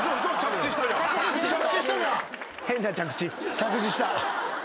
着地した。